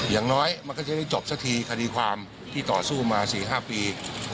อย่างน้อยมันก็จะได้จบซะทีคติความที่ต่อสู้มาสี่ห้าปี